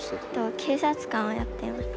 警察官をやっていました。